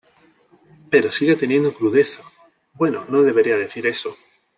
Pero sigue teniendo crudeza... Bueno, no debería decir eso.